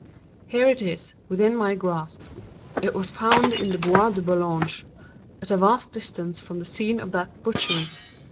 Here it is, within my grasp. It was found in the Bois de Boulogne—at a vast distance from the scene of that butchery.